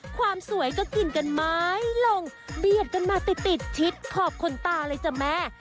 ความสวยก็กินกันไม้ลงเบียดกันมาติดชิดขอบขนตาเลยจ้ะแม่